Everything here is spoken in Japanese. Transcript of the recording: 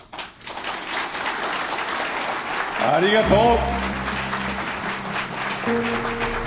ありがとう！